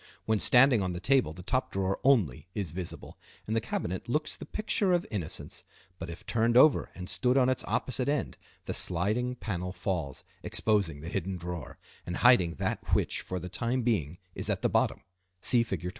When standing on the table the top drawer only is visible, and the cabinet looks the picture of innocence, but if turned over and stood on its opposite end the sliding panel falls, exposing the hidden drawer, and hiding that which for the time being is at the bottom (see Fig.